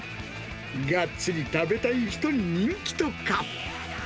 がっつり食べたい人に人気とか。